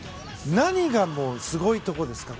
何がすごいところですか？